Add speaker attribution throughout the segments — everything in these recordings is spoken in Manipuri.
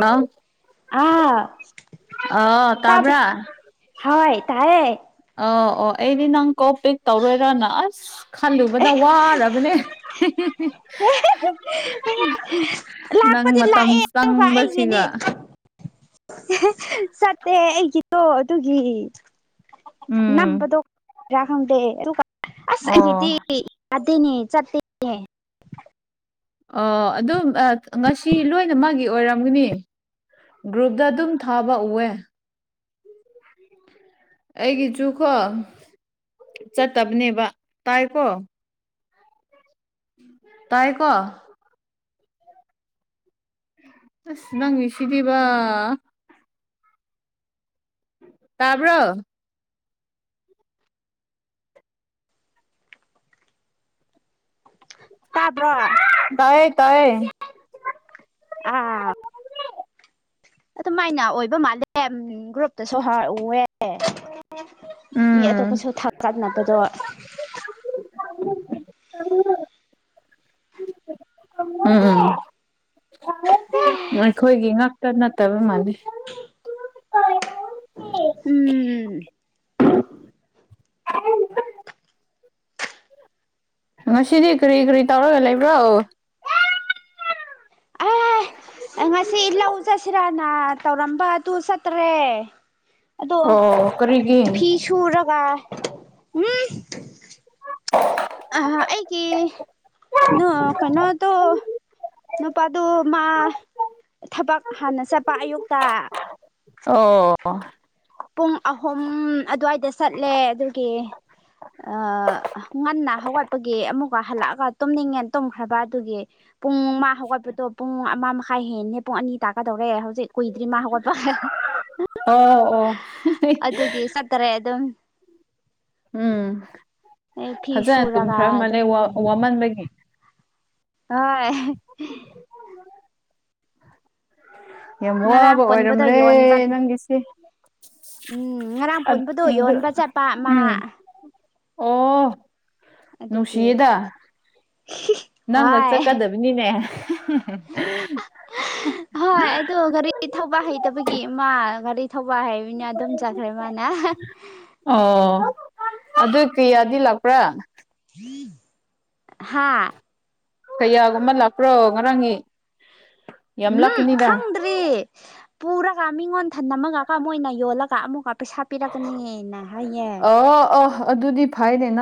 Speaker 1: ꯑ
Speaker 2: ꯑ ꯇ
Speaker 1: ꯇꯥꯕ꯭ꯔꯥ
Speaker 2: ꯍ ꯇꯥꯏꯌꯦ
Speaker 1: ꯑ ꯑꯣ ꯑꯩꯗꯤ ꯅꯪ ꯀꯣ ꯄꯦꯛ ꯇꯧꯔꯣꯏꯔ ꯅ ꯑꯁ ꯈꯜꯂꯨꯕꯗ ꯋꯥꯔꯕꯅꯦ ꯅꯪ
Speaker 2: ꯄꯗꯤ ꯂꯥꯛꯑꯦ
Speaker 1: ꯃꯇꯝ
Speaker 2: ꯑꯗꯨꯒ ꯑꯩꯒꯤꯗꯤ
Speaker 1: ꯆꯪꯕꯁꯤꯒ
Speaker 2: ꯆꯠꯇꯦ ꯑꯩꯒꯤ ꯣ ꯑꯗꯨꯒꯤ
Speaker 1: ꯎꯝ
Speaker 2: ꯅꯝꯕꯗꯣ ꯀꯔꯥ ꯈꯪꯗꯦ ꯑꯁ
Speaker 1: ꯑꯣ
Speaker 2: ꯑꯍꯗꯤ ꯌꯥꯗꯅꯤ ꯆꯠ
Speaker 1: ꯑꯣ ꯑꯗꯨ ꯉꯁꯤ ꯂꯣꯏꯅ ꯃꯥꯒꯤ ꯑꯣꯏꯔꯝꯒꯅꯤ ꯒ꯭ꯔꯨꯞꯇ ꯑꯗꯨꯝ ꯊꯥꯕ ꯎꯑꯦ ꯑꯩꯒꯤꯖꯨꯈꯣ ꯆꯠꯇꯕꯅꯦꯕ ꯇꯥꯏꯀꯣ ꯇꯥꯏ ꯀꯣ ꯑꯁ ꯅꯪꯅꯁꯤꯗꯤꯕ ꯇꯥꯕ꯭ꯔꯣ
Speaker 2: ꯇꯥꯕ꯭ꯔꯣ
Speaker 1: ꯇꯔꯌꯦ
Speaker 2: ꯑꯥ ꯑꯗꯨꯃꯥꯏꯅ ꯑꯣꯏꯕ ꯃꯥꯜꯂꯦ ꯒ꯭ꯔꯨꯞꯇꯁꯨ ꯍꯥꯔꯎꯑꯦ ꯃꯤ
Speaker 1: ꯎꯝ
Speaker 2: ꯑꯇꯣꯞꯄꯁꯨ ꯊꯥꯒꯠꯅꯕꯗꯣ
Speaker 1: ꯑ ꯎꯝ ꯎꯝ ꯑꯩꯈꯣꯏꯒꯤ ꯉꯛꯇ ꯅꯠꯇꯕ ꯃꯥꯜꯂꯤ
Speaker 2: ꯎꯝ
Speaker 1: ꯉꯁꯤꯗꯤ ꯀꯔꯤ ꯀꯔꯤ ꯇꯧꯔꯒ ꯂꯩꯕ꯭ꯔꯣ
Speaker 2: ꯑꯦ
Speaker 1: [inaudible]
Speaker 2: ꯉꯁꯤ ꯂꯧ ꯆꯠꯁꯤꯔꯥꯅ ꯇꯧꯔꯝꯕ ꯑꯗꯨ ꯆꯠꯇ꯭ꯔꯦ ꯑꯗꯣ
Speaker 1: ꯑꯣ ꯀꯔꯤꯒꯤ
Speaker 2: ꯐꯤ ꯁꯨꯔꯒ ꯎꯝ ꯑꯩꯒꯤ ꯅ ꯀꯩꯅꯣꯇꯣ ꯅꯨꯄꯥꯗꯨ ꯃꯥ ꯊꯕꯛ ꯍꯥꯟꯅ ꯆꯠꯄ ꯑꯌꯨꯛꯇ
Speaker 1: ꯑꯣ
Speaker 2: ꯄꯨꯡ ꯑꯍꯨꯝ ꯑꯗꯨꯋꯥꯏꯗ ꯆꯠꯂꯦ ꯑꯗꯨꯒꯤ ꯑ ꯉꯟꯅ ꯍꯧꯒꯠꯄꯒꯤ ꯑꯃꯨꯛꯀ ꯍꯜꯂꯛꯑꯒ ꯇꯨꯝꯅꯤꯡꯉꯦꯅ ꯇꯨꯝꯈ꯭ꯔꯕ ꯑꯗꯨꯒꯤ ꯄꯨꯡ ꯑꯃ ꯍꯧꯒꯠꯄꯗꯣ ꯄꯨꯡ ꯑꯃ ꯃꯈꯥꯏ ꯍꯦꯟꯅ ꯄꯨꯡ ꯑꯅꯤ ꯇꯥꯀꯗꯧꯔꯦ ꯍꯧꯖꯤꯛ ꯀꯨꯏꯗ꯭ꯔꯤ ꯃꯥ ꯍꯧꯒꯠꯄ
Speaker 1: ꯑꯣ ꯑꯣ
Speaker 2: ꯑꯗꯨꯒꯤ ꯆꯠꯇꯔꯦ ꯑꯗꯨꯝ
Speaker 1: ꯎꯝ
Speaker 2: ꯑꯩ ꯐꯤ
Speaker 1: ꯐꯖꯅ
Speaker 2: ꯁꯨꯔꯒ
Speaker 1: ꯇꯨꯝꯈ꯭ꯔ ꯃꯥꯜꯂꯦ
Speaker 2: ꯑꯗꯨꯝ ꯂꯩ
Speaker 1: ꯋꯥꯃꯟꯕꯒꯤ
Speaker 2: ꯍꯣꯏ
Speaker 1: ꯌꯥꯝ
Speaker 2: ꯉꯔꯥꯡ
Speaker 1: ꯋꯥꯕ
Speaker 2: ꯄꯨꯟꯕꯗꯣ
Speaker 1: ꯑꯣꯏꯔꯝꯂꯦ
Speaker 2: ꯌꯣꯟꯕ
Speaker 1: ꯅꯪꯒꯤꯁꯦ
Speaker 2: ꯎꯝ ꯉꯔꯥꯡ ꯄꯨꯟꯕꯗ ꯌꯣꯟꯕ ꯆꯠꯄ ꯑꯃ
Speaker 1: ꯎꯝ ꯑꯣ
Speaker 2: ꯑꯗꯨꯒꯤ
Speaker 1: ꯅꯨꯡꯁꯤꯌꯦꯗ ꯅꯪ ꯅ
Speaker 2: ꯍꯣꯏ
Speaker 1: ꯆꯠꯀꯗꯕꯅꯤꯅꯦ
Speaker 2: ꯍꯣꯏ ꯑꯗꯣ ꯒꯥꯔꯤ ꯊꯕꯥ ꯍꯩꯇꯕꯒꯤ ꯃꯥ ꯒꯥꯔꯤ ꯊꯧꯕꯥꯜ ꯍꯥꯏꯕꯅꯤꯅ ꯑꯗꯨꯝ ꯆꯈ꯭ꯔꯦ ꯃꯥꯅ
Speaker 1: ꯑꯣ ꯑꯗꯨ ꯀꯌꯥꯗꯤ ꯂꯥꯛꯄ꯭ꯔꯥ
Speaker 2: ꯍꯥꯥ
Speaker 1: ꯀꯌꯥꯒꯨꯝꯕ ꯂꯥꯛꯄ꯭ꯔꯣ ꯉꯔꯥꯡꯒꯤ ꯌꯥꯝ
Speaker 2: ꯎꯝ
Speaker 1: ꯂꯥꯛꯀꯅꯤꯗ
Speaker 2: ꯈꯪꯗ꯭ꯔꯤ ꯄ ꯄꯨꯔꯥ ꯀꯃꯤꯒꯣꯟ ꯃꯊꯟ ꯑꯃꯒꯀ ꯑꯃ ꯑꯣꯏꯅ ꯌꯣꯜꯂꯒ ꯑꯃꯨꯛꯀ ꯄꯩꯁꯥ ꯄꯤꯔꯛꯀꯅꯤꯅ ꯍꯥꯏꯌꯦ
Speaker 1: ꯑꯣ ꯑꯣ ꯑꯗꯨꯗꯤ ꯐꯥꯏꯗꯅꯤ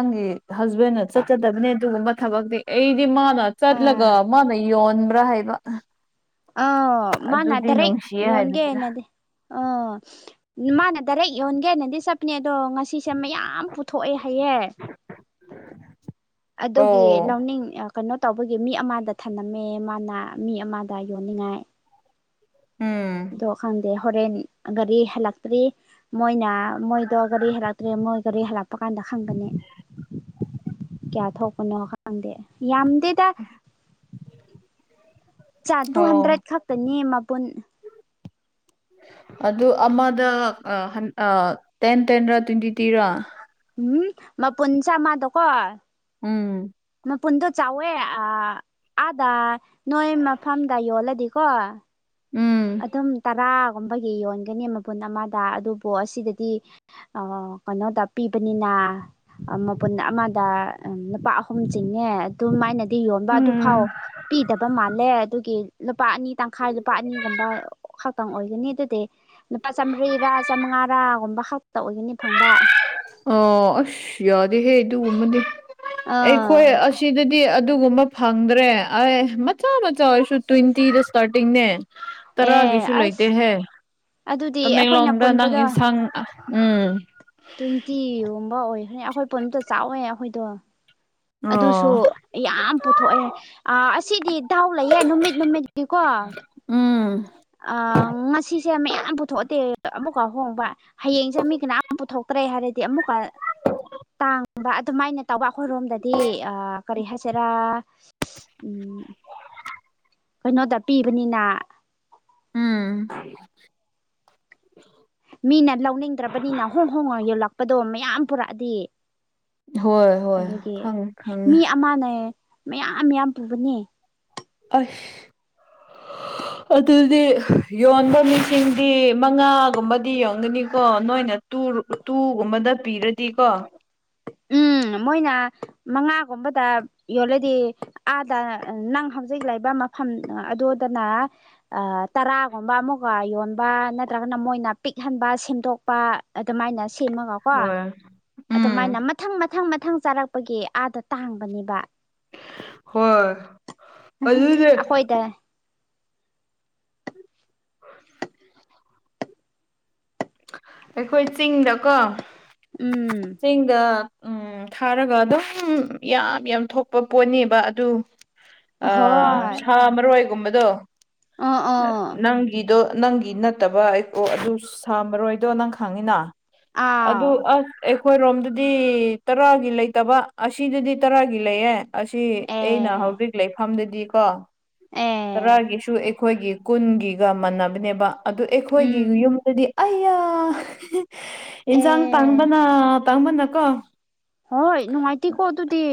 Speaker 1: ꯍꯁꯕꯦꯟꯅ ꯆꯠꯆꯗꯕꯅꯦ ꯑꯗꯨꯒꯨꯝꯕ ꯊꯕꯛꯇꯤ ꯑꯩꯗꯤ ꯃꯥꯅ
Speaker 2: ꯑꯥ
Speaker 1: ꯆꯠꯂꯒ ꯃꯥꯅ ꯌꯣꯟꯕ ꯄꯨꯔ ꯍꯥꯏꯕ
Speaker 2: ꯑ
Speaker 1: ꯑꯗꯨꯗꯤ
Speaker 2: ꯃꯥꯅꯗꯔ
Speaker 1: ꯅꯨꯡꯁꯤꯌꯦ
Speaker 2: ꯌꯣꯟꯟꯒꯦ
Speaker 1: ꯍꯥꯏꯕꯅꯤꯅ
Speaker 2: ꯑꯩꯅꯗꯤ ꯑꯣ ꯃꯥꯅ ꯗꯥꯏꯔꯦꯛ ꯌꯣꯟꯒꯦꯅꯗꯤ ꯆꯞꯄꯅꯦ ꯑꯗꯣ ꯉꯁꯤꯁꯦ ꯃꯌꯥꯝ ꯄꯨꯊꯣꯛꯑꯦ ꯍꯥꯏꯌꯦꯦ ꯑꯗꯨꯒꯤ
Speaker 1: ꯑꯣ
Speaker 2: ꯂꯧꯥꯎꯅꯤꯡ ꯀꯩꯅꯣ ꯇꯧꯕꯒꯤ ꯃꯤ ꯑꯃꯗ ꯊꯝꯂꯝꯝꯃꯦ ꯃꯥꯅ ꯃꯤ ꯑꯃꯗ ꯌꯣꯟꯅꯤꯡꯉꯥꯏ
Speaker 1: ꯎꯝ
Speaker 2: ꯑꯗꯣ ꯈꯪꯗꯦ ꯍꯣꯔꯦꯟ ꯒꯥꯔꯤ ꯍꯜꯂꯛꯇ꯭ꯔꯤ ꯃꯣꯏꯅ ꯃꯣꯏꯗ ꯀꯔꯤ ꯍꯔꯥ ꯃꯣꯏ ꯒꯥꯔꯤ ꯍꯜꯂꯛꯄ ꯀꯥꯟꯗ ꯈꯪꯒꯅꯤ ꯀꯌꯥ ꯊꯣꯛꯄꯅꯣ ꯈꯪꯗꯦ ꯌꯥꯝ ꯁꯤꯗ
Speaker 1: [unintelligible]
Speaker 2: ꯆ ꯇꯨ
Speaker 1: ꯑꯣ
Speaker 2: ꯍꯟꯗ꯭ꯔꯦꯠ ꯈꯛꯇꯅꯦ ꯃꯄꯨꯟ
Speaker 1: ꯑꯗꯨ ꯑꯃꯗ ꯇꯦꯟ ꯇꯦꯟꯔꯥ ꯇ꯭ꯋꯦꯟꯇꯤ ꯇ꯭ꯔꯤꯔꯥ
Speaker 2: ꯎꯝ ꯃ ꯄꯨꯟꯆꯥ ꯃꯥ ꯇ ꯀꯣ
Speaker 1: ꯎꯝ
Speaker 2: ꯃꯄꯨꯟꯗꯣ ꯆꯥꯎꯋꯦ ꯑꯥꯗ ꯅꯣꯏ ꯃꯐꯝꯗ ꯌꯣꯜꯂꯗꯤꯀꯣ
Speaker 1: ꯎꯝ
Speaker 2: ꯑꯗꯨꯝ ꯇꯔꯥꯒꯨꯝꯕꯒꯤ ꯌꯣꯟꯒꯅꯤ ꯃꯄꯨꯟ ꯑꯃꯗ ꯑꯗꯨꯕꯨ ꯑꯁꯤꯗꯗꯤ ꯀꯩꯅꯣꯗ ꯄꯤꯕꯅꯤꯅ ꯃꯄꯨꯟ ꯑꯃꯗ ꯂꯨꯄꯥ ꯑꯍꯨꯝ ꯆꯤꯡꯉꯦ ꯑꯗꯨꯃꯥꯏꯅ ꯗꯤ ꯌꯣꯟꯕ ꯑꯗꯨꯐꯥꯎ
Speaker 1: ꯎꯝ
Speaker 2: ꯄꯤꯗꯕ ꯃꯥꯜꯂꯦ ꯑꯗꯨꯒꯤ ꯂꯨꯄꯥ ꯑꯅꯤ ꯇꯪꯈꯥꯏ ꯂꯨꯄꯥ ꯑꯅꯤ ꯈ ꯑꯣꯏ ꯈꯇ ꯑꯣꯏꯒꯅꯤ ꯐꯪꯕ
Speaker 1: ꯑ ꯑꯁ ꯌꯥꯗꯦꯍꯦ ꯑꯗꯨꯒꯨꯝꯕꯅꯦ ꯑꯩꯈꯣꯏ
Speaker 2: ꯑꯥ
Speaker 1: ꯑꯁꯤꯗꯗꯤ ꯑꯗꯨꯒꯨꯝꯕ ꯐꯪꯗ꯭ꯔꯦ ꯑꯦ ꯃꯆꯥ ꯃꯆꯥ ꯑꯣꯏꯔꯁꯨ ꯇ꯭ꯋꯦꯟꯇꯤꯗ ꯏꯁꯇꯥꯔꯇꯤꯡꯅꯦ
Speaker 2: ꯑꯦ
Speaker 1: ꯇꯔꯥꯒꯤꯁꯨ
Speaker 2: ꯑꯁ
Speaker 1: ꯂꯩꯇꯦꯍꯦ
Speaker 2: ꯑꯗꯨꯗꯤ ꯑꯩꯈꯣꯏꯅ
Speaker 1: ꯇꯃꯦꯡꯂꯣꯡꯗ ꯅꯪ
Speaker 2: ꯄꯨꯟꯕꯗꯣ
Speaker 1: ꯑꯦꯟꯁꯥꯡ ꯎꯝ
Speaker 2: ꯇ꯭ꯋꯦꯟꯇꯤꯒꯨꯝꯕ ꯑꯣꯏꯈ꯭ꯔꯦ ꯑꯩꯈꯣꯏ ꯄꯟ ꯑꯇ ꯆꯥꯎꯋꯦ ꯑꯩꯈꯣꯏꯗꯣ ꯑꯗꯨꯁꯨ
Speaker 1: ꯑꯣ
Speaker 2: ꯌꯥꯝ ꯄꯨꯊꯣꯛꯑꯦ ꯑꯁꯤꯗꯤ ꯗꯥꯎ ꯂꯩꯌꯦꯦ ꯅꯨꯃꯤꯠ ꯅꯨꯃꯤꯠꯀꯤꯀꯣ
Speaker 1: ꯎꯝ
Speaker 2: ꯉꯁꯤꯁꯦ ꯃꯌꯥꯝ ꯄꯨꯊꯣꯛꯑꯗꯦ ꯑꯃꯨꯛꯀ ꯍꯣꯡꯕ ꯍꯌꯦꯡꯁꯦ ꯃꯤ ꯀꯅꯥꯝ ꯄꯨꯊꯣꯛꯇ꯭ꯔꯦ ꯍꯥꯏꯔꯗꯤ ꯑꯃꯨꯛꯀ ꯇꯥꯡ ꯑꯗꯨꯃꯥꯏꯅ ꯇꯧꯕ ꯑꯩꯈꯣꯏꯔꯣꯝꯗꯗꯤ ꯀꯔꯤ ꯍꯥꯏꯦ ꯆꯔ ꯎꯝ ꯀꯩꯅꯣꯗ ꯄꯤꯕꯅꯤꯅ
Speaker 1: [unintelligible]
Speaker 2: ꯃꯤꯅ ꯂꯧꯅꯤꯡꯗ꯭ꯔꯕꯅꯤꯅ ꯍꯣꯡ ꯍꯣꯡ ꯍꯣꯡ ꯌꯣꯜꯂꯛꯄꯗꯣ ꯃꯌꯥꯝ ꯄꯨꯔꯛꯑꯗꯤ
Speaker 1: ꯍꯣꯏ ꯍꯣꯏ
Speaker 2: ꯑꯗꯨꯒꯤ
Speaker 1: ꯈꯪꯉꯦ ꯈꯪꯉꯦ
Speaker 2: ꯃꯤ ꯑꯃꯅꯦ ꯃꯌꯥꯝ ꯌꯥꯝꯌꯥꯝ ꯄꯨꯕꯅꯦ
Speaker 1: ꯑ ꯑꯗꯨꯗꯤ ꯌꯣꯟꯕ ꯃꯤꯁꯤꯡꯗꯤ ꯃꯉꯥꯒꯨꯝꯕꯗꯤ ꯌꯣꯟꯒꯅꯤꯀꯣ ꯅꯣꯏꯅ ꯇꯨꯒꯨꯝꯕꯗ ꯄꯤꯔꯗꯤꯀꯣ
Speaker 2: ꯎꯝ ꯃꯣꯏꯅ ꯃꯉꯥꯒꯨꯝꯕꯗ ꯌꯣꯜꯂꯗꯤ ꯑꯥꯗ ꯅꯪ ꯍꯧꯖꯤꯛ ꯂꯩꯕ ꯃꯐꯝ ꯑꯗꯨꯗꯅ ꯇꯔꯥꯒꯨꯝꯕ ꯑꯃꯒ ꯌꯣꯟꯕ ꯅꯠꯇ꯭ꯔ ꯑꯗꯨꯅ ꯃꯣꯏꯅ ꯄꯤꯛꯍꯟꯕ ꯁꯦꯝꯗꯣꯛꯄ ꯑꯗꯨꯃꯥꯏꯅ ꯁꯦꯝꯃꯒꯀꯣ
Speaker 1: ꯍꯣꯏ
Speaker 2: ꯑꯗꯨꯃꯥꯏꯅ
Speaker 1: ꯎꯝ
Speaker 2: ꯃꯊꯪ ꯃꯊꯪ ꯃꯊꯪ ꯆꯥꯔꯛꯄꯒꯤ ꯑꯥꯗ ꯇꯥꯡꯕꯅꯦꯕ
Speaker 1: ꯍꯣꯏ ꯑꯗꯨꯗꯤ
Speaker 2: ꯑꯩꯈꯣꯏ ꯏꯗ
Speaker 1: ꯑꯩꯈꯣꯏ ꯆꯤꯡꯗꯀꯣ
Speaker 2: ꯎꯝ
Speaker 1: ꯆꯤꯡꯗ ꯎꯝ ꯊꯥꯔꯒ ꯑꯗꯨꯝ ꯌꯥꯝ ꯌꯥꯝ ꯊꯣꯛꯄ ꯄꯣꯠꯅꯦꯕ ꯑꯗꯨ ꯑ
Speaker 2: ꯍꯣꯏ
Speaker 1: ꯁꯥ ꯃꯔꯣꯏꯒꯨꯝꯕꯗꯣ
Speaker 2: ꯑ ꯑꯥ
Speaker 1: ꯅꯪꯒꯤꯗꯣ ꯅꯪꯒꯤ ꯅꯠꯇꯕ ꯑꯩ ꯑꯗꯨ ꯁꯥꯃꯔꯣꯏꯗꯣ ꯅꯪ ꯈꯪꯉꯤꯅ ꯑ
Speaker 2: ꯑꯥꯎ
Speaker 1: ꯑ ꯑꯩꯈꯣꯏꯔꯣꯝꯗꯗꯤ ꯇꯔꯥꯒꯤ ꯂꯩꯇꯕ ꯑꯁꯤꯗꯗꯤ ꯇꯔꯥꯒꯤ ꯂꯩꯌꯦ ꯑꯁꯤ ꯑꯩꯅ
Speaker 2: ꯑꯦ
Speaker 1: ꯍꯧꯖꯤꯛ ꯂꯩꯐꯝꯗꯗꯤꯀꯣ
Speaker 2: ꯑꯦ
Speaker 1: ꯇꯔꯥꯒꯤꯁꯨ ꯑꯩꯈꯣꯏꯒꯤ ꯀꯨꯟꯒꯤꯒ ꯃꯥꯟꯅꯕꯅꯦꯕ ꯑꯗꯨ ꯑꯩꯈꯣꯏꯒꯤ
Speaker 2: ꯎꯝ
Speaker 1: ꯌꯨꯝꯗꯗꯤ ꯑꯩꯌꯥ ꯏꯟꯁꯥꯡ
Speaker 2: ꯑꯦ
Speaker 1: ꯇꯥꯡꯕꯅ ꯇꯥꯡꯕꯅꯀꯣ
Speaker 2: ꯍꯣꯏ ꯅꯨꯡꯉꯥꯏꯇ ꯀꯣ ꯑꯗꯨꯨꯗꯤ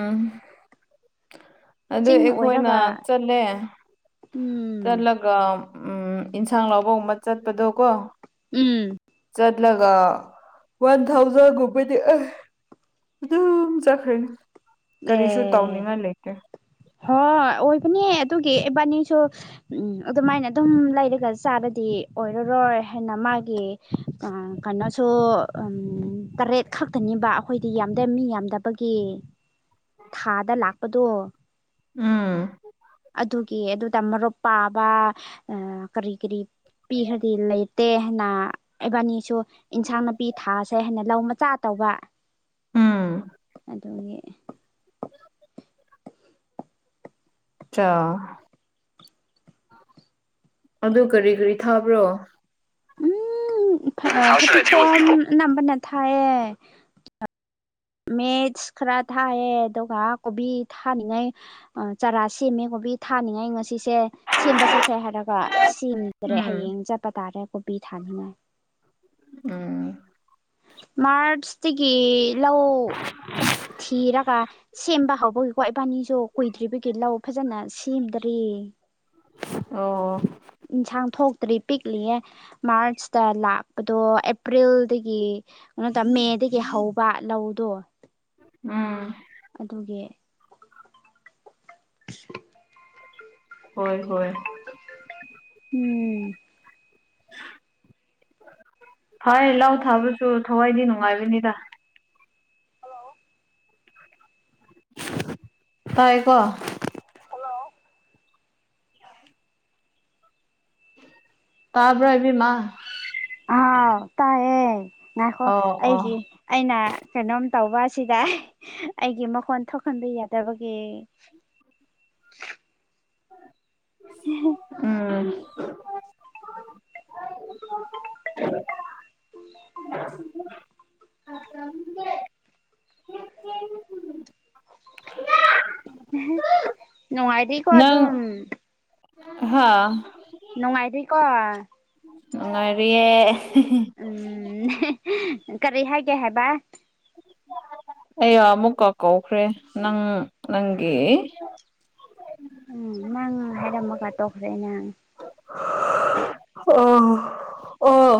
Speaker 1: ꯑ ꯑꯗꯨ
Speaker 2: ꯆꯤꯡ
Speaker 1: ꯑꯩꯈꯣꯏꯅ
Speaker 2: ꯑꯣꯏꯔꯒ
Speaker 1: ꯆꯠꯂꯦ
Speaker 2: ꯎꯝ
Speaker 1: ꯆꯠꯂꯒ ꯎꯝ ꯏꯟꯁꯥꯡ ꯂꯥꯎꯧꯕꯒꯨꯝꯕ ꯆꯠꯄꯗꯣ ꯀꯣ
Speaker 2: ꯎꯝ
Speaker 1: ꯋꯥꯟ ꯊꯥꯎꯖꯟꯄꯗꯤ ꯆꯈꯅꯤ
Speaker 2: ꯑꯦ ꯍꯣꯏ ꯑꯣꯏꯕꯅꯤꯍ ꯑꯗꯨꯒꯤ ꯏꯕꯥꯅꯤꯁꯨꯝ ꯑꯗꯨꯃꯥꯏꯅ ꯑꯗꯨꯝ ꯂꯩꯔꯒ ꯆꯥꯔꯗꯤ ꯑꯣꯏꯔꯔꯣꯏ ꯍꯥꯏꯅ ꯃꯥꯒꯤ ꯀꯩꯅꯣꯁꯨ ꯇꯔꯦꯠ ꯈꯛꯇꯅꯤꯕ ꯑꯩꯈꯣꯏꯗꯤ ꯌꯥꯝꯗꯕ ꯃꯤ ꯌꯥꯝꯗ ꯑꯩꯒꯤ ꯊꯥꯗ ꯂꯥꯛꯄꯗꯣ
Speaker 1: ꯎꯝ
Speaker 2: ꯑꯗꯨꯒꯤ ꯑꯗꯨ ꯇꯃꯔꯣ ꯄꯥꯕ ꯑ ꯀꯔꯤ ꯀꯔꯤ ꯄꯤꯈ꯭ꯔꯗꯤ ꯂꯩꯇꯦ ꯍꯥꯏꯅ ꯏꯕꯥꯅꯤꯁꯨ ꯏꯟꯁꯥꯡ ꯅꯥꯄꯤ ꯊꯥꯁꯦ ꯍꯥꯏꯅ ꯂꯧ ꯃꯆꯥ ꯇꯧ [unintelligible]
Speaker 1: ꯎꯝ
Speaker 2: ꯑꯗꯨꯒ
Speaker 1: ꯆ ꯑꯗꯨ ꯀꯔꯤ ꯀꯔꯤ ꯊꯥꯕ꯭ꯔꯣ
Speaker 2: ꯎꯝ
Speaker 1: ꯍꯥꯎ ꯁꯨꯗ ꯑꯥꯏ ꯗꯤꯜ ꯋꯤꯠ
Speaker 2: ꯐꯗꯤꯒꯣꯝ
Speaker 1: ꯄꯤꯄꯜ
Speaker 2: ꯑꯅꯝꯕꯅ ꯊꯥꯏꯌꯦ ꯃꯦꯁ ꯈꯔ ꯊꯥꯏꯌꯦ ꯑꯗꯨꯒ ꯀꯣꯕꯤ ꯊꯥꯅꯤꯡꯉꯩ ꯆꯥꯔꯥ ꯁꯦꯝꯃꯦ ꯀꯣꯕꯤ ꯕꯤ ꯊꯥꯅꯤꯡꯉꯥꯏ ꯑꯩ ꯉꯁꯤ ꯁꯤꯁꯦ ꯁꯦꯝꯕ ꯆꯠꯁꯦ ꯍꯥꯏꯔꯒ ꯁꯦꯝꯗ꯭ꯔꯦ
Speaker 1: ꯎꯝ
Speaker 2: ꯍꯌꯦꯡ ꯆꯠꯄ ꯇꯥꯔꯦ ꯀꯣꯕꯤ ꯊꯥꯅꯤꯡꯉꯥꯏ
Speaker 1: ꯎꯝ
Speaker 2: ꯃꯥꯔꯁꯇꯒꯤ ꯂ ꯊꯤꯔꯒ ꯁꯦꯝꯕ ꯍꯧꯕꯒꯤ ꯀ꯭ꯋꯥꯏꯕꯥꯅꯤꯁꯨ ꯀꯨꯏꯗ꯭ꯔꯤꯕꯒꯤ ꯂꯧ ꯐꯖꯅ ꯁꯦꯝꯗꯔꯤ ꯎꯝ
Speaker 1: [inaudible]
Speaker 2: ꯏꯟꯁꯥꯡꯊꯣꯛ ꯇ ꯄꯤꯛꯂꯤꯌꯦ ꯃꯥꯔꯆꯇ ꯂꯥꯛꯄꯗꯣ ꯑꯦꯄ꯭ꯔꯤꯜꯗꯒꯤ ꯀꯩꯅꯣꯗ ꯃꯦꯗꯒꯤ ꯍꯧꯕ ꯂꯧꯗꯣ
Speaker 1: ꯎꯝ
Speaker 2: ꯑꯗꯨꯒꯤ
Speaker 1: ꯍꯣꯏ ꯍꯣꯏ
Speaker 2: ꯎꯝ
Speaker 1: ꯐꯔ ꯂꯥꯎ ꯊꯥꯕꯁꯨ ꯊꯋꯥꯏꯗꯤ ꯅꯨꯡꯉꯥꯏꯕꯅꯤꯗ ꯇꯥꯏꯀꯣ [inaudible] ꯇꯥꯕ꯭ꯔ ꯏꯕꯤ ꯃꯥ
Speaker 2: ꯑꯥꯎ ꯇꯥꯏꯌꯦ ꯉꯈꯣ
Speaker 1: ꯑꯣ ꯑꯣ
Speaker 2: ꯑꯩꯒꯤ ꯑꯩꯅ ꯀꯩꯅꯣꯝ ꯇꯧꯕ ꯑꯁꯤꯗ ꯑꯩꯒꯤ ꯃꯈꯣꯟ ꯊꯣꯛꯍꯟꯕ ꯌꯥꯗꯕꯒꯤ
Speaker 1: [inaudible] ꯎꯝ
Speaker 2: [unintelligible] [inaudible] ꯅꯨꯡꯉꯥꯏꯗꯤꯀꯣ ꯑꯗꯨ ꯑꯗꯨꯝ
Speaker 1: ꯍꯥꯥ
Speaker 2: ꯅꯨꯡꯉꯥꯏꯔꯤꯀꯣ
Speaker 1: ꯅꯨꯡꯉꯥꯏꯔꯤꯌꯦ
Speaker 2: ꯎꯝ ꯀꯔꯤ ꯍꯥꯏꯒꯦ ꯍꯥꯏꯕ
Speaker 1: ꯑꯩ ꯑꯃꯨꯛꯀ ꯀꯧꯈ꯭ꯔꯦ ꯅꯪ ꯅꯪꯒꯤ
Speaker 2: ꯎꯝ ꯅꯪ ꯍꯥꯏꯔꯝꯃꯒ ꯇꯣꯛꯈ꯭ꯔꯦ ꯅꯪ
Speaker 1: [inaudible] ꯑꯣ ꯑꯣ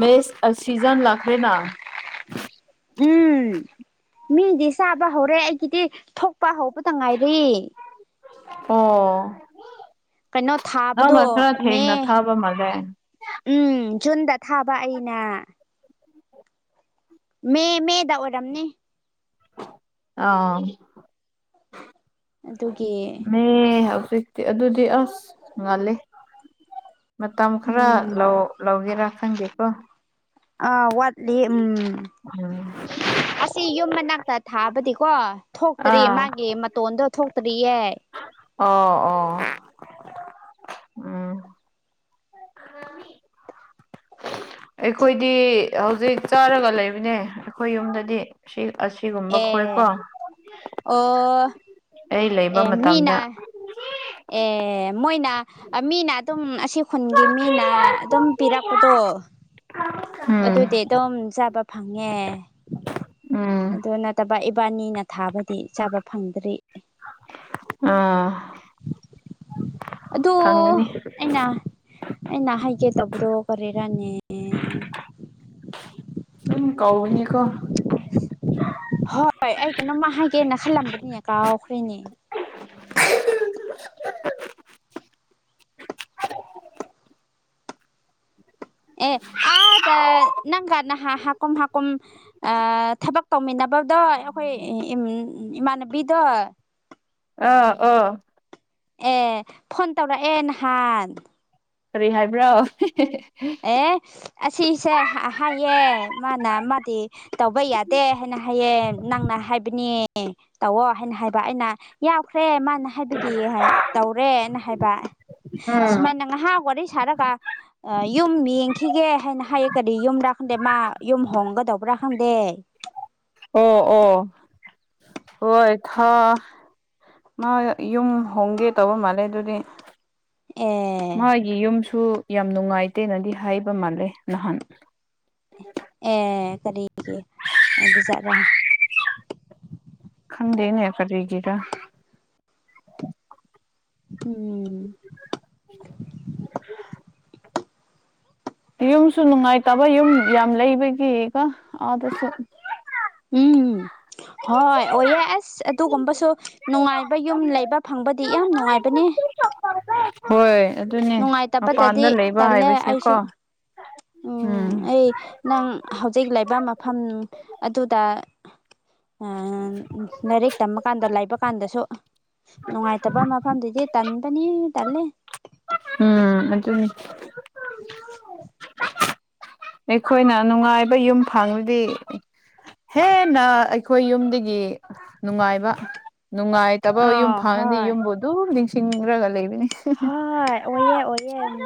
Speaker 1: ꯃꯦꯁ ꯁꯤꯖꯟ ꯂꯥꯛꯈ꯭ꯔꯦ
Speaker 2: ꯎꯝ ꯃꯤꯗꯤ ꯆꯥꯕ ꯍꯧꯔꯦ ꯑꯩꯒꯤꯗꯤ ꯊꯣꯛ ꯄꯥ ꯍꯧꯕꯇ ꯉꯥꯏꯔꯤ
Speaker 1: [inaudible]
Speaker 2: ꯀꯩꯅꯣ ꯊꯥꯕꯗꯣ
Speaker 1: ꯅꯪꯅ ꯈꯔ ꯊꯦꯡꯅ ꯊꯥꯕ ꯃꯥꯜꯂꯦ
Speaker 2: ꯖꯨꯟꯗ ꯊꯥꯕ ꯑꯩꯅ ꯃꯦ ꯃꯦꯗ ꯑꯣꯏꯔꯝꯅꯤ
Speaker 1: ꯑꯥ
Speaker 2: ꯑꯗꯨꯒꯤ
Speaker 1: ꯃꯤ ꯍꯧꯖꯤꯛꯇꯤ ꯑꯗꯨꯗꯤ ꯑꯁ ꯉꯥꯜꯂꯦ ꯃꯇꯝ ꯈꯔ
Speaker 2: ꯎꯝ
Speaker 1: ꯂꯧ ꯂꯧꯒꯦꯔꯥ ꯈꯪꯗꯦꯀꯣ
Speaker 2: ꯑ ꯋꯥꯠꯂꯤ ꯎꯝ
Speaker 1: ꯎꯝ
Speaker 2: ꯑꯁꯤ ꯌꯨꯝ ꯃꯅꯥꯛꯇ ꯊꯥꯕꯗꯤꯀꯣ ꯊꯣꯛꯇ꯭ꯔꯤ
Speaker 1: ꯑꯥ
Speaker 2: ꯃꯥꯒꯤ ꯃꯇꯣꯟꯗꯣ ꯊꯣꯛꯇ꯭ꯔꯤꯌꯦ
Speaker 1: ꯑꯣ ꯑꯣ ꯎꯝ [unintelligible] ꯑꯩꯈꯣꯏꯗꯤ ꯍꯧꯖꯤꯛ ꯆꯥꯔꯒ ꯂꯩꯕꯅꯦ ꯑꯩꯈꯣꯏ ꯌꯨꯝꯗꯗꯤ ꯁꯤ ꯑꯁꯤꯒꯨꯝꯕ ꯈꯣꯏꯀꯣ
Speaker 2: ꯑꯦ ꯑꯣ
Speaker 1: ꯑꯩ
Speaker 2: ꯑꯦ
Speaker 1: ꯂꯩꯕ ꯃꯇꯝꯗ
Speaker 2: ꯃꯤꯅ ꯑꯦ ꯃꯣꯏꯅꯥ ꯃꯤꯅ ꯑꯗꯨꯝ ꯑꯁꯤ ꯈꯨꯟꯒꯤ ꯃꯤꯅ ꯑꯗꯨꯝ ꯄꯤꯔꯛꯄꯗꯣ
Speaker 1: ꯎꯝ
Speaker 2: ꯑꯗꯨꯗꯤ ꯑꯗꯨꯝ ꯆꯥꯕ ꯐꯪꯉꯦ
Speaker 1: ꯎꯝ
Speaker 2: ꯑꯗꯨ ꯅꯠꯇꯕ ꯅꯨꯕꯥꯅꯤꯅ ꯊꯥꯕꯗꯤ ꯆꯥꯕ ꯐꯪꯗ꯭ꯔꯤ
Speaker 1: ꯑꯥ
Speaker 2: ꯑꯗꯨ
Speaker 1: ꯐꯪꯒꯅꯤ
Speaker 2: ꯑꯩꯅ ꯑꯩ ꯅꯍꯥꯏꯒ ꯇꯕꯗꯣ ꯀꯔꯦꯔꯥꯅꯦ
Speaker 1: ꯑꯗꯨꯝ ꯀꯧꯏꯅꯤꯀꯣ
Speaker 2: ꯍꯣꯏ ꯑꯩ ꯀꯩꯅꯣꯝꯃ ꯍꯥꯏꯒꯦꯅ ꯈꯜꯂꯝꯕꯗꯤꯅꯦ ꯀꯥꯎꯈ꯭ꯔꯦꯅꯦ ꯑꯦ ꯑꯥꯗ ꯅꯪꯒ ꯅꯍꯥ ꯍꯥꯀꯨꯝ ꯍꯥꯀꯨꯝ ꯊꯕꯛ ꯇꯧꯃꯤꯟꯅꯕꯗꯣ ꯑꯩꯈꯣꯏ ꯏ ꯏꯃꯅꯕꯤꯗꯣ
Speaker 1: ꯑꯥ ꯑ
Speaker 2: ꯑꯦ ꯐꯣꯟ ꯇꯧꯔ ꯑꯦ ꯅꯍꯥꯟ
Speaker 1: ꯀꯔꯤ ꯍꯥꯏꯕ꯭ꯔꯣ
Speaker 2: ꯑꯦ ꯑꯁꯤꯁꯦ ꯍꯥꯏꯌꯦꯦ ꯃꯥꯅ ꯃꯥꯗꯤ ꯇꯧꯕ ꯌꯥꯗꯦ ꯍꯥꯏꯅ ꯍꯥꯏꯌꯦ ꯅꯪꯅ ꯍꯥꯏꯕꯅꯦ ꯇꯧꯑꯣ ꯍꯥꯏꯅ ꯍꯥꯏꯕ ꯑꯩꯅ ꯌꯥꯎꯈ꯭ꯔꯦ ꯃꯥ ꯍꯥꯏꯕꯒꯤ ꯇꯧꯔꯦꯅ ꯍꯥꯏꯕ ꯁꯨꯃꯥꯏꯅ ꯉꯥꯏꯍꯥꯛ ꯋꯥꯔꯤ ꯁꯥꯔꯒ ꯁꯨꯝ ꯌꯦꯡꯈꯤꯒꯦ ꯍꯥꯏꯅ ꯍꯥꯏꯌꯦ ꯀꯗꯤ ꯌꯨꯝꯗ꯭ꯔꯥ ꯈꯪꯗꯦ ꯃꯥ ꯌꯨꯝ ꯍꯣꯡꯒꯗꯧꯕ꯭ꯔꯥ ꯈꯪꯗꯦ
Speaker 1: ꯑꯣ ꯑꯣ ꯍꯣꯏ ꯃꯥ ꯌꯨꯝ ꯍꯣꯡꯒꯦ ꯇꯧꯕ ꯃꯥꯜꯂꯦ ꯑꯗꯨꯗꯤ
Speaker 2: ꯑꯦ
Speaker 1: ꯃꯥꯒꯤ ꯌꯨꯝꯁꯨ ꯌꯥꯝ ꯅꯨꯡꯉꯥꯏꯇꯦꯅꯗꯤ ꯍꯥꯏꯕ ꯃꯥꯜꯂꯦ ꯅꯍꯥꯟ
Speaker 2: ꯑꯦ ꯀꯔꯤꯒꯤ ꯑꯣꯕꯤꯖꯠ꯭ꯔ
Speaker 1: ꯈꯪꯗꯦꯅꯦ ꯐꯔꯤꯒꯤꯒ
Speaker 2: ꯎꯝ
Speaker 1: ꯌꯨꯝꯁꯨ ꯅꯨꯡꯉꯥꯏꯇꯕ ꯌꯨꯝ ꯌꯥꯝ ꯂꯩꯕꯒꯤꯀꯣ ꯑꯥꯗꯁꯨ
Speaker 2: ꯎꯝ ꯍꯣꯏ ꯑꯣꯏꯌꯦ ꯑꯁ ꯑꯗꯨꯒꯨꯝꯕꯁꯨ ꯅꯨꯡꯉꯥꯏꯕ ꯌꯨꯝ ꯂꯩꯕ ꯐꯪꯕꯗꯤ ꯌꯥꯝ ꯅꯨꯡꯉꯥꯏꯕꯅꯦ
Speaker 1: ꯆꯄ ꯍꯣꯏ
Speaker 2: ꯅꯨꯡꯉꯥꯏꯇꯕꯗꯗꯤ
Speaker 1: ꯂꯩꯕ
Speaker 2: ꯇꯜꯂꯦ ꯑꯩꯁꯨ
Speaker 1: ꯍꯥꯏꯕꯁꯦꯀꯣ
Speaker 2: ꯎꯝ ꯑꯩ ꯅꯪ ꯍꯧꯖꯤꯛ ꯂꯩꯕ ꯃꯐꯝ ꯑꯗꯨꯗ ꯂꯥꯏꯔꯤꯛ ꯇꯝꯃꯀꯥꯟꯗ ꯂꯥꯏꯕ ꯀꯥꯟꯗꯁꯨ ꯅꯨꯡꯉꯥꯏꯇꯕ ꯃꯐꯝꯗꯨꯗꯤ ꯇꯟꯕꯅꯤ ꯇꯜꯂꯦ
Speaker 1: ꯎꯝ ꯑꯗꯨ ꯑꯩꯈꯣꯏꯅ ꯅꯨꯡꯉꯥꯏꯕ ꯌꯨꯝ ꯐꯪꯗꯗꯤ ꯍꯦꯟꯅ ꯑꯩꯈꯣꯏ ꯌꯨꯝꯗꯒꯤ ꯅꯨꯡꯉꯥꯏꯕ ꯅꯨꯡꯉꯥꯏꯇꯕ ꯌꯨꯝ
Speaker 2: ꯑꯥ
Speaker 1: ꯐꯪꯉꯗꯤ
Speaker 2: ꯍꯣꯏ
Speaker 1: ꯌꯨꯝꯕꯨ ꯑꯗꯨꯝ ꯅꯤꯡꯁꯤꯡꯈ꯭ꯔꯒ ꯂꯩꯕ
Speaker 2: ꯍꯣꯏ ꯑꯣꯏꯌꯦꯦ ꯑꯣꯏꯌꯦꯦ ꯎꯝ